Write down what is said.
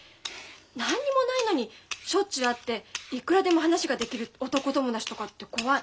何にもないのにしょっちゅう会っていくらでも話ができる男友達とかって怖い。